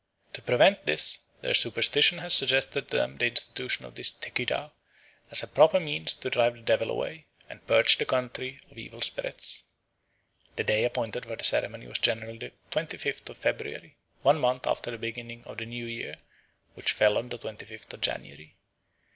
To prevent which their superstition has suggested to them the institution of this theckydaw, as a proper means to drive the devil away, and purge the country of evil spirits." The day appointed for the ceremony was generally the twenty fifth of February, one month after the beginning of the new year, which fell on the twenty fifth of January.